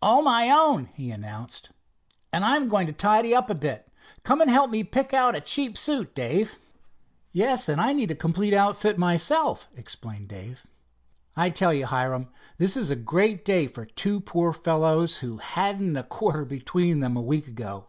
"All my own," he announced, "and I'm going to tidy up a bit. Come and help me pick out a cheap suit, Dave." "Yes, and I need a complete outfit myself," explained Dave. "I tell you, Hiram, this is a great day for two poor fellows who hadn't a quarter between them a week ago."